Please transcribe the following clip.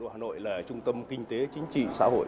hà nội là trung tâm kinh tế chính trị xã hội